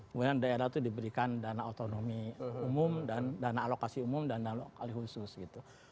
kemudian daerah itu diberikan dana otonomi umum dan dana alokasi umum dan dana lokali khusus gitu